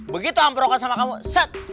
begitu ambrokan sama kamu set